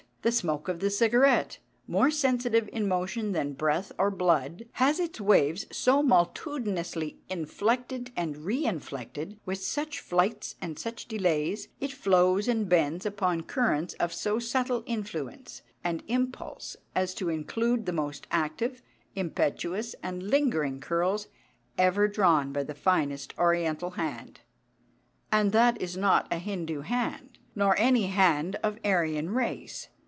The smoke of the cigarette, more sensitive in motion than breath or blood, has its waves so multitudinously inflected and reinflected, with such flights and such delays, it flows and bends upon currents of so subtle influence and impulse as to include the most active, impetuous, and lingering curls ever drawn by the finest Oriental hand and that is not a Hindu hand, nor any hand of Aryan race.